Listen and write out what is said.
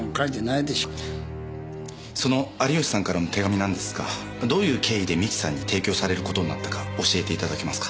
その有吉さんからの手紙なんですがどういう経緯で三木さんに提供されることになったか教えていただけますか？